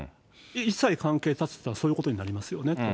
一切関係断つっていうのはそういうことになりますよねと。